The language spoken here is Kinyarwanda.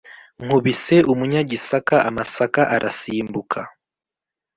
Nkubise umunyagisaka amasaka arasimbuka,